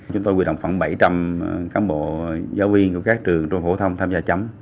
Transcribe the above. chúng ta quy đồng khoảng bảy trăm linh cán bộ giáo viên của các trường trong phổ thông tham gia chấm